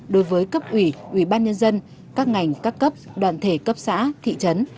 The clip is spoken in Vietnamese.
đối với cấp ủy ủy ban nhân dân các ngành các cấp đoàn thể cấp xã thị trấn